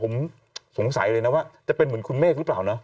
ผมสงสัยเลยนะว่าจะเป็นเหมือนคุณเมฆหรือเปล่านะ